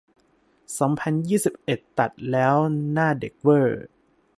สองพันยี่สิบเอ็ด ตัดแล้วหน้าเด็กเว่อร์